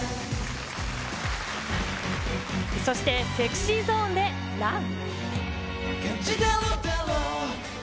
そして、ＳｅｘｙＺｏｎｅでＲＵＮ。